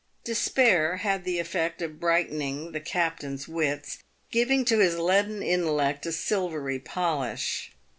Despair had the effect of brightening the captain's wits, giving to his leaden intellect a silvery polish.